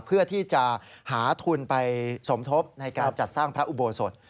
เพื่อที่จะหาทุนไปสมทบในการจัดสร้างพระอุโบสถ